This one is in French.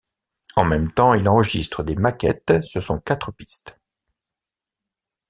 En même temps, il enregistre des maquettes sur son quatre pistes.